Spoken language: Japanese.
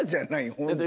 本当に。